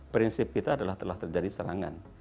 prinsip kita adalah telah terjadi serangan